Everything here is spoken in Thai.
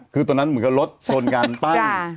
คือตอนนั้นเหมือนกับรถชนกันปั้ง